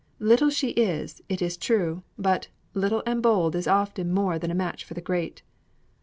Little she is, it is true; but 'Little and bold is often more than a match for the great.'"